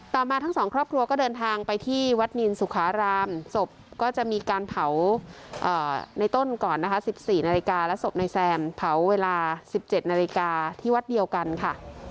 มาทั้งสองครอบครัวก็เดินทางไปที่วัดนินสุขารามศพก็จะมีการเผาในต้นก่อนนะคะ๑๔นาฬิกาและศพนายแซมเผาเวลา๑๗นาฬิกาที่วัดเดียวกันค่ะ